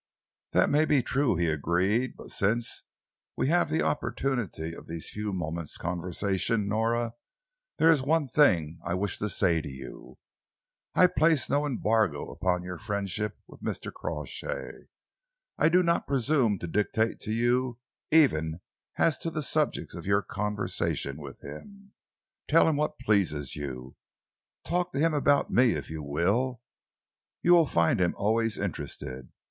"That may be true," he agreed, "but since we have the opportunity of these few moments' conversation, Nora, there is one thing I wish to say to you. I place no embargo upon your friendship with Mr. Crawshay. I do not presume to dictate to you even as to the subjects of your conversation with him. Tell him what pleases you. Talk to him about me, if you will you will find him always interested.